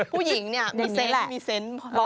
ผู้หญิงเนี่ยเหมาะนี้แหละ